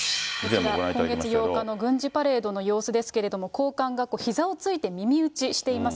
今月８日の軍事パレードの様子ですけれども、高官がひざをついて耳打ちしています。